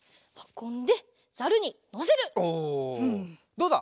どうだ？